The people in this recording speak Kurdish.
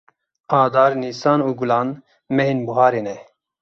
Adar, Nîsan û Gulan mehên buharê ne.